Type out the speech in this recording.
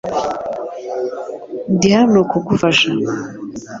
Ndi hano kugufasha .